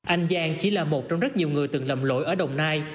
anh giang chỉ là một trong rất nhiều người từng lầm lỗi ở đồng nai